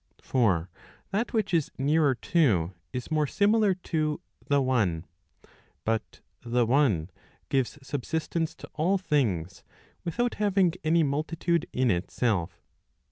For that which is nearer to is more similar to the one. But the one gives subsistence to all things, without having any multitude in itself.